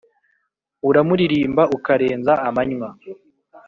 uramuririmba ukarenza amanywa